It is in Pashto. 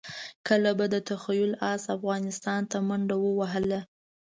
کله به د تخیل اس افغانستان ته منډه ووهله.